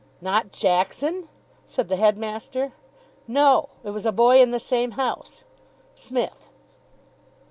"Not Jackson?" said the headmaster. "No. It was a boy in the same house. Smith."